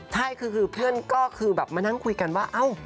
ใช่คือเพื่อนก็คือแบบมานั่งคุยกันว่าเอ้า